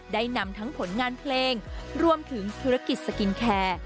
ได้นำทั้งผลงานเพลงรวมถึงธุรกิจสกินแคร์